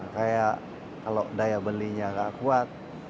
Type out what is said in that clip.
kayak kalau daya belinya nggak kuat